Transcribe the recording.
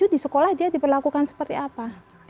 di sekolah dia diperlakukan seperti apa